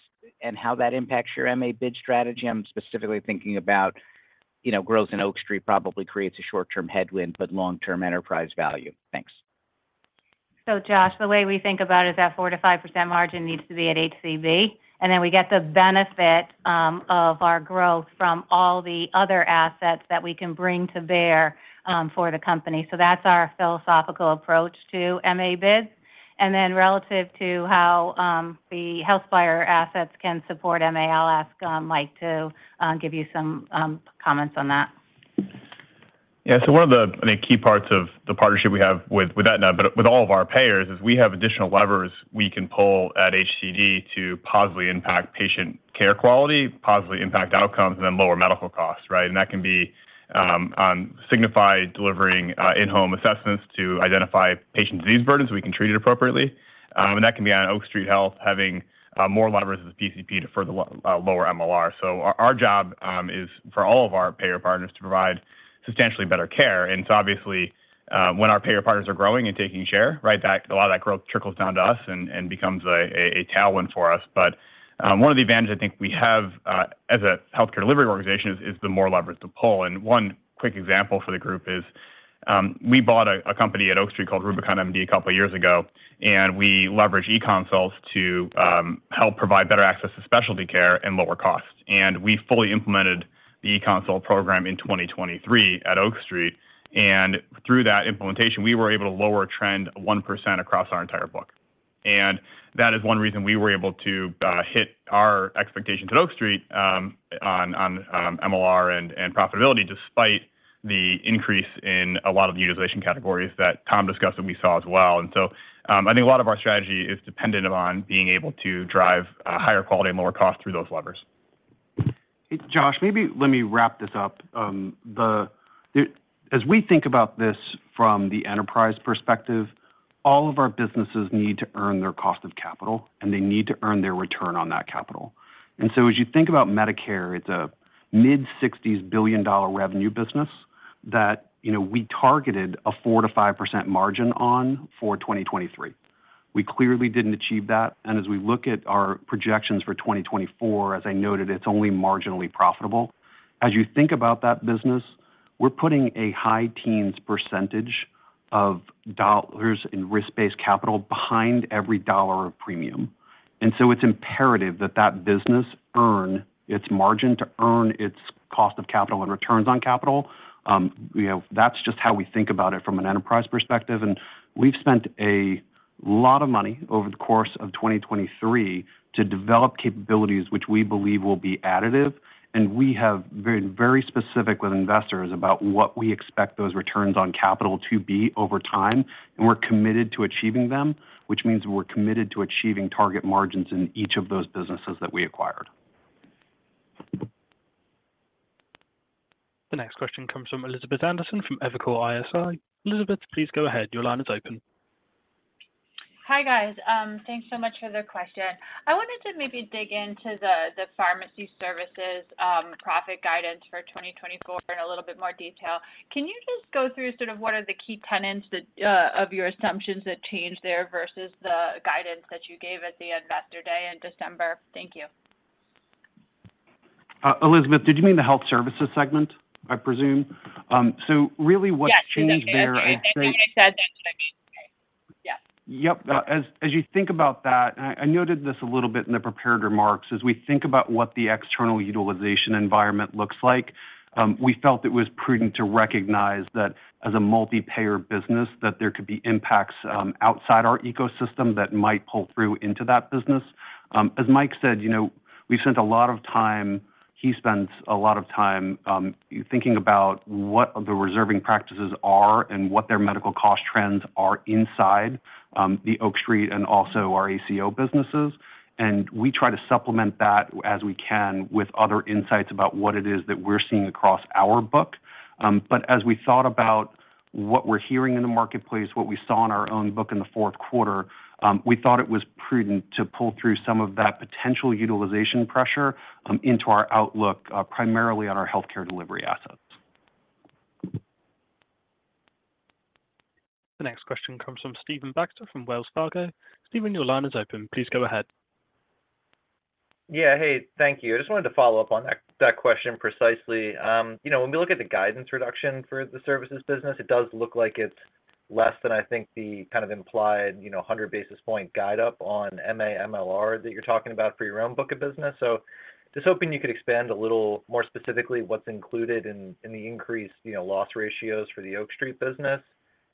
and how that impacts your MA bid strategy? I'm specifically thinking about, you know, growth in Oak Street probably creates a short-term headwind, but long-term enterprise value. Thanks. So Josh, the way we think about it is that 4%-5% margin needs to be at HCB, and then we get the benefit of our growth from all the other assets that we can bring to bear for the company. So that's our philosophical approach to MA bids. And then relative to how the Signify assets can support MA, I'll ask Mike to give you some comments on that. Yeah. So one of the, I think, key parts of the partnership we have with, with Aetna, but with all of our payers, is we have additional levers we can pull at HCB to positively impact patient care quality, positively impact outcomes, and then lower medical costs, right? And that can be Signify delivering in-home assessments to identify patient disease burdens we can treat it appropriately. And that can be on Oak Street Health, having more levers as PCP to further lower MLR. So our job is for all of our payer partners to provide substantially better care. And so obviously, when our payer partners are growing and taking share, right, that a lot of that growth trickles down to us and becomes a tailwind for us. One of the advantages I think we have as a healthcare delivery organization is the more levers to pull. And one quick example for the group is, we bought a company at Oak Street called RubiconMD a couple of years ago, and we leveraged eConsults to help provide better access to specialty care and lower costs. And we fully implemented the eConsult program in 2023 at Oak Street, and through that implementation, we were able to lower trend 1% across our entire book. And that is one reason we were about to hit our expectations at Oak Street on MLR and profitability, despite the increase in a lot of the utilization categories that Tom discussed and we saw as well. I think a lot of our strategy is dependent upon being able to drive a higher quality and lower cost through those levers. Josh, maybe let me wrap this up. As we think about this from the enterprise perspective, all of our businesses need to earn their cost of capital, and they need to earn their return on that capital. And so as you think about Medicare, it's a mid-60s billion-dollar revenue business that, you know, we targeted a 4%-5% margin on for 2023. We clearly didn't achieve that, and as we look at our projections for 2024, as I noted, it's only marginally profitable. As you think about that business, we're putting a high teens % of dollars in risk-based capital behind every dollar of premium. And so it's imperative that that business earn its margin to earn its cost of capital and returns on capital. You know, that's just how we think about it from an enterprise perspective. We've spent a lot of money over the course of 2023 to develop capabilities which we believe will be additive, and we have been very specific with investors about what we expect those returns on capital to be over time, and we're committed to achieving them, which means we're committed to achieving target margins in each of those businesses that we acquired. The next question comes from Elizabeth Anderson, from Evercore ISI. Elizabeth, please go ahead. Your line is open. Hi, guys. Thanks so much for the question. I wanted to maybe dig into the pharmacy services profit guidance for 2024 in a little bit more detail. Can you just go through sort of what are the key tenets that of your assumptions that changed there versus the guidance that you gave at the Investor Day in December? Thank you. Elizabeth, did you mean the health services segment, I presume? So really what changed there- Yes. I said, that's what I mean. Yes. Yep. As you think about that, and I noted this a little bit in the prepared remarks, as we think about what the external utilization environment looks like, we felt it was prudent to recognize that as a multi-payer business, that there could be impacts outside our ecosystem that might pull through into that business. As Mike said, you know, we've spent a lot of time, he spends a lot of time thinking about what the reserving practices are and what their medical cost trends are inside the Oak Street and also our ACO businesses. And we try to supplement that as we can with other insights about what it is that we're seeing across our book. But as we thought about what we're hearing in the marketplace, what we saw in our own book in the fourth quarter, we thought it was prudent to pull through some of that potential utilization pressure, into our outlook, primarily on our healthcare delivery assets. The next question comes from Stephen Baxter from Wells Fargo. Stephen, your line is open. Please go ahead. Yeah, hey, thank you. I just wanted to follow up on that, that question precisely. You know, when we look at the guidance reduction for the services business, it does look like it's less than I think the kind of implied, you know, 100 basis point guide up on MA MLR that you're talking about for your own book of business. So just hoping you could expand a little more specifically what's included in, in the increased, you know, loss ratios for the Oak Street business.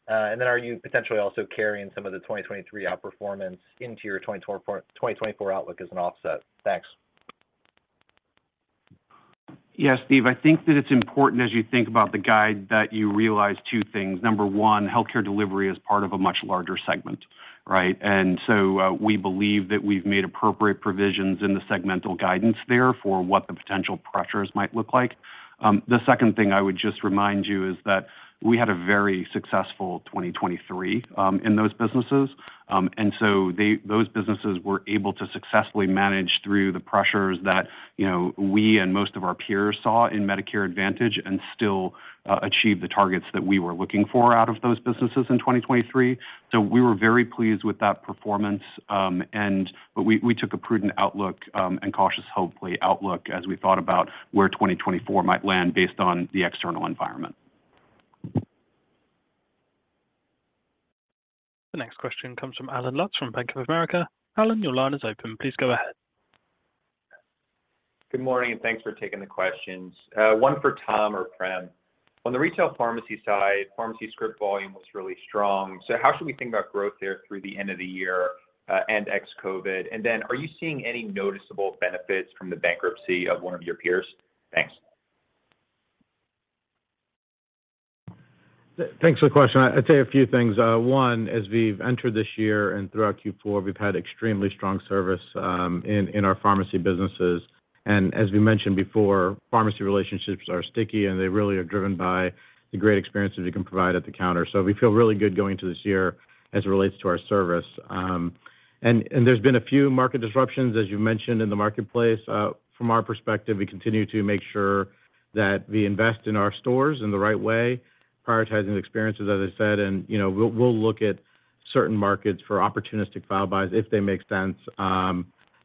And then are you potentially also carrying some of the 2023 outperformance into your 2024, 2024 outlook as an offset? Thanks. Yes, Steve, I think that it's important as you think about the guide, that you realize two things. Number one, healthcare delivery is part of a much larger segment, right? And so, we believe that we've made appropriate provisions in the segmental guidance there for what the potential pressures might look like. The second thing I would just remind you is that we had a very successful 2023 in those businesses. And so those businesses were able to successfully manage through the pressures that, you know, we and most of our peers saw in Medicare Advantage, and still achieve the targets that we were looking for out of those businesses in 2023. So we were very pleased with that performance, but we took a prudent outlook and cautious, hopefully, outlook as we thought about where 2024 might land based on the external environment. The next question comes from Allen Lutz from Bank of America. Alan, your line is open. Please go ahead. Good morning, and thanks for taking the questions. One for Tom or Prem. On the retail pharmacy side, pharmacy script volume was really strong. So how should we think about growth there through the end of the year, and ex-COVID? And then, are you seeing any noticeable benefits from the bankruptcy of one of your peers? Thanks. Thanks for the question. I'd say a few things. One, as we've entered this year and throughout Q4, we've had extremely strong service in our pharmacy businesses. As we mentioned before, pharmacy relationships are sticky, and they really are driven by the great experiences we can provide at the counter. We feel really good going into this year as it relates to our service. There's been a few market disruptions, as you mentioned, in the marketplace. From our perspective, we continue to make sure that we invest in our stores in the right way, prioritizing the experiences, as I said, and, you know, we'll look at certain markets for opportunistic file buys if they make sense,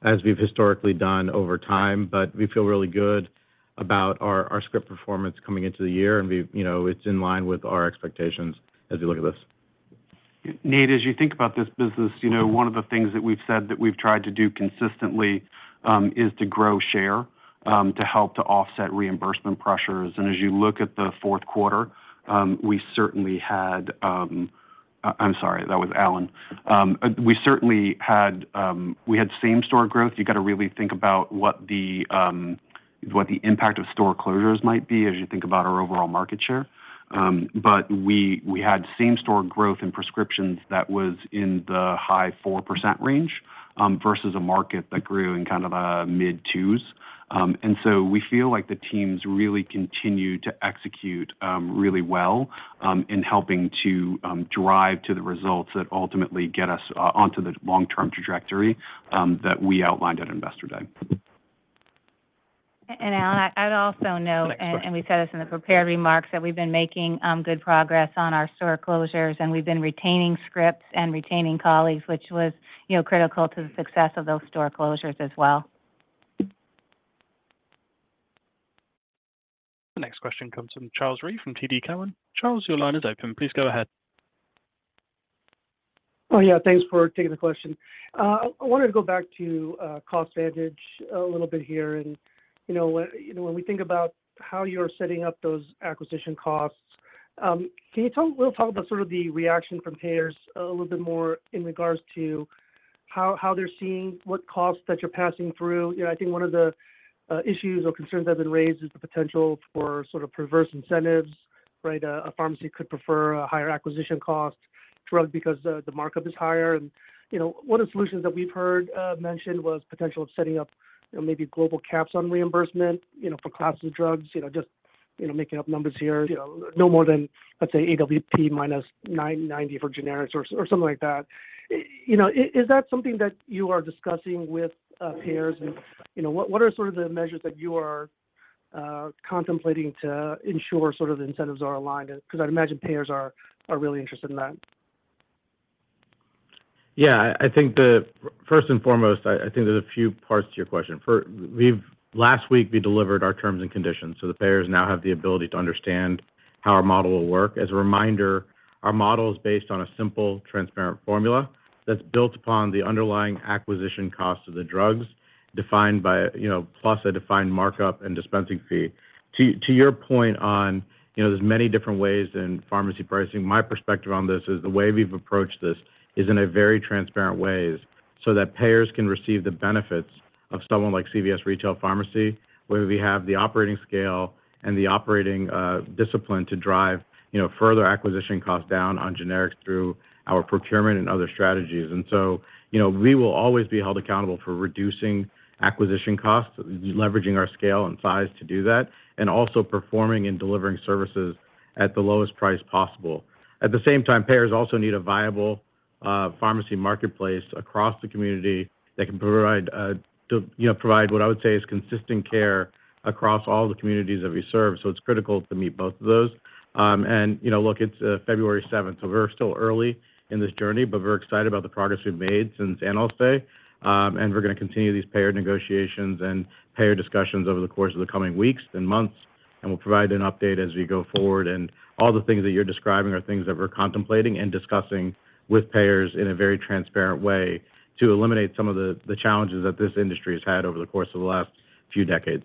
as we've historically done over time. But we feel really good about our script performance coming into the year, and we've, you know, it's in line with our expectations as we look at this. Nate, as you think about this business, you know, one of the things that we've said that we've tried to do consistently, is to grow share, to help to offset reimbursement pressures. And as you look at the fourth quarter, we certainly had... I'm sorry, that was Alan. We certainly had, we had same-store growth. You got to really think about what the, what the impact of store closures might be as you think about our overall market share. But we, we had same-store growth in prescriptions that was in the high 4% range, versus a market that grew in kind of a mid 2s. And so we feel like the teams really continued to execute really well in helping to drive to the results that ultimately get us onto the long-term trajectory that we outlined at Investor Day. Alan, I'd also note, and we said this in the prepared remarks, that we've been making good progress on our store closures, and we've been retaining scripts and retaining colleagues, which was, you know, critical to the success of those store closures as well. The next question comes from Charles Rhyee from TD Cowen. Charles, your line is open. Please go ahead. Oh, yeah, thanks for taking the question. I wanted to go back to CostVantage a little bit here. You know, when we think about how you're setting up those acquisition costs, can you tell-- we'll talk about sort of the reaction from payers a little bit more in regards to how they're seeing what costs that you're passing through? You know, I think one of the issues or concerns that have been raised is the potential for sort of perverse incentives, right? A pharmacy could prefer a higher acquisition cost drug because the markup is higher. You know, one of the solutions that we've heard mentioned was potential of setting up, you know, maybe global caps on reimbursement, you know, for classes of drugs. You know, just-... You know, making up numbers here, you know, no more than, let's say, AWP minus 9.90 for generics or something like that. You know, is that something that you are discussing with payers? And, you know, what are sort of the measures that you are contemplating to ensure sort of the incentives are aligned? Because I'd imagine payers are really interested in that. Yeah, I think the first and foremost, I think there's a few parts to your question. Last week, we delivered our terms and conditions, so the payers now have the ability to understand how our model will work. As a reminder, our model is based on a simple, transparent formula that's built upon the underlying acquisition cost of the drugs, defined by, you know, plus a defined markup and dispensing fee. To your point on, you know, there's many different ways in pharmacy pricing, my perspective on this is the way we've approached this is in a very transparent way, so that payers can receive the benefits of someone like CVS Retail Pharmacy, where we have the operating scale and the operating discipline to drive, you know, further acquisition costs down on generics through our procurement and other strategies. And so, you know, we will always be held accountable for reducing acquisition costs, leveraging our scale and size to do that, and also performing and delivering services at the lowest price possible. At the same time, payers also need a viable, pharmacy marketplace across the community that can provide, you know, provide what I would say is consistent care across all the communities that we serve. So it's critical to meet both of those. And, you know, look, it's February seventh, so we're still early in this journey, but we're excited about the progress we've made since Analyst Day. And we're gonna continue these payer negotiations and payer discussions over the course of the coming weeks and months, and we'll provide an update as we go forward. All the things that you're describing are things that we're contemplating and discussing with payers in a very transparent way to eliminate some of the challenges that this industry has had over the course of the last few decades.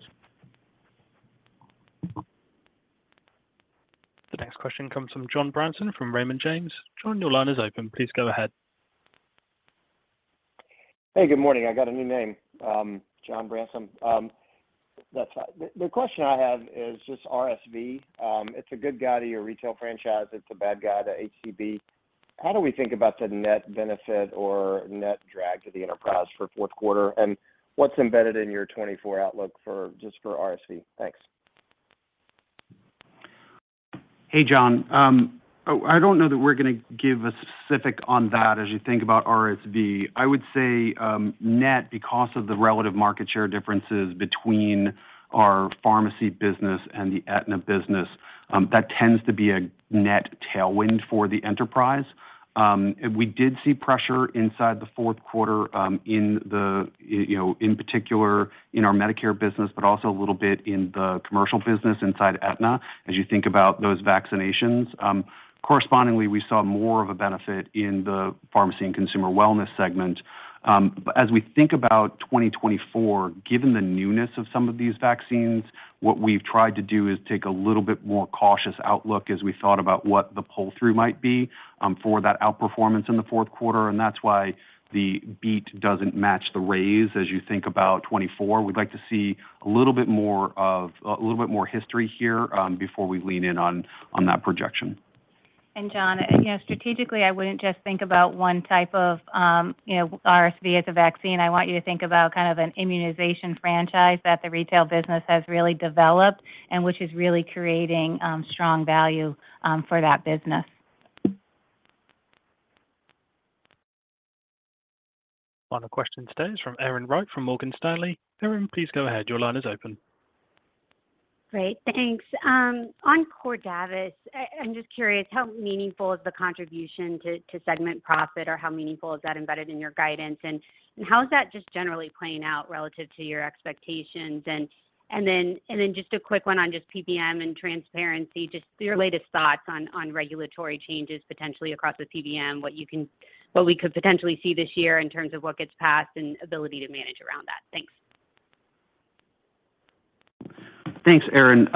The next question comes from John Ransom, from Raymond James. John, your line is open. Please go ahead. Hey, good morning. I got a new name, John Ransom. That's fine. The question I have is just RSV. It's a good guy to your retail franchise. It's a bad guy to HCB. How do we think about the net benefit or net drag to the enterprise for fourth quarter? And what's embedded in your 2024 outlook for, just for RSV? Thanks. Hey, John. I don't know that we're gonna give a specific on that as you think about RSV. I would say, net, because of the relative market share differences between our pharmacy business and the Aetna business, that tends to be a net tailwind for the enterprise. We did see pressure inside the fourth quarter, in the, you know, in particular in our Medicare business, but also a little bit in the commercial business inside Aetna, as you think about those vaccinations. Correspondingly, we saw more of a benefit in the pharmacy and consumer wellness segment. As we think about 2024, given the newness of some of these vaccines, what we've tried to do is take a little bit more cautious outlook as we thought about what the pull-through might be, for that outperformance in the fourth quarter, and that's why the beat doesn't match the raise. As you think about 2024, we'd like to see a little bit more of, a little bit more history here, before we lean in on, on that projection. John, you know, strategically, I wouldn't just think about one type of, you know, RSV as a vaccine. I want you to think about kind of an immunization franchise that the retail business has really developed and which is really creating strong value for that business. Final question today is from Erin Wright, from Morgan Stanley. Erin, please go ahead. Your line is open. Great, thanks. On Cordavis, I'm just curious, how meaningful is the contribution to segment profit, or how meaningful is that embedded in your guidance? And then just a quick one on PBM and transparency, just your latest thoughts on regulatory changes, potentially across the PBM, what we could potentially see this year in terms of what gets passed and ability to manage around that. Thanks. Thanks, Erin.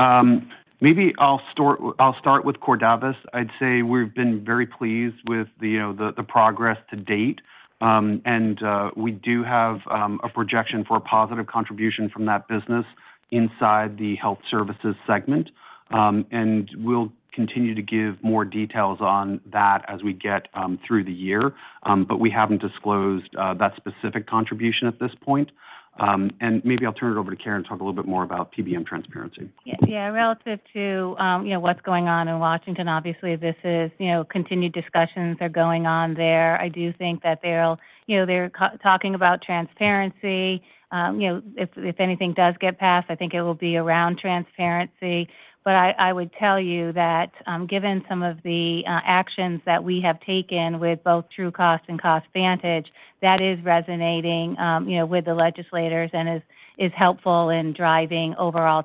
Maybe I'll start with Cordavis. I'd say we've been very pleased with the, you know, the progress to date. And we do have a projection for a positive contribution from that business inside the health services segment. And we'll continue to give more details on that as we get through the year. But we haven't disclosed that specific contribution at this point. And maybe I'll turn it over to Karen to talk a little bit more about PBM transparency. Yeah, yeah. Relative to, you know, what's going on in Washington, obviously, this is, you know, continued discussions are going on there. I do think that they're, you know, they're talking about transparency. You know, if, if anything does get passed, I think it will be around transparency. But I, I would tell you that, given some of the actions that we have taken with both TrueCost and CostVantage, that is resonating, you know, with the legislators and is, is helpful in driving overall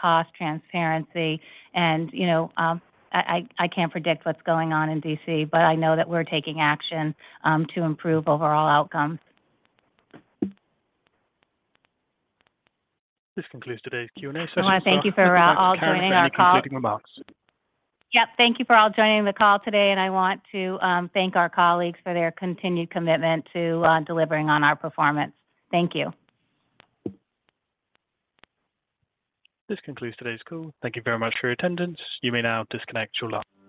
cost transparency. And, you know, I, I, I can't predict what's going on in D.C., but I know that we're taking action, to improve overall outcomes. This concludes today's Q&A session. I want to thank you for all joining our call. Any concluding remarks? Yep. Thank you for all joining the call today, and I want to thank our colleagues for their continued commitment to delivering on our performance. Thank you. This concludes today's call. Thank you very much for your attendance. You may now disconnect your line.